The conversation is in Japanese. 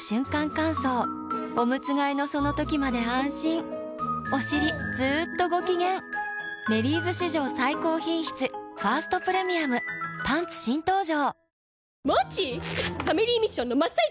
乾燥おむつ替えのその時まで安心おしりずっとご機嫌「メリーズ」史上最高品質「ファーストプレミアム」パンツ新登場！